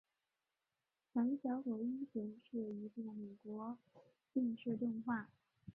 胆小狗英雄是一出美国电视动画。